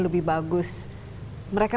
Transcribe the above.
lebih bagus mereka